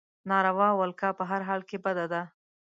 ناروا ولکه په هر حال کې بده ده.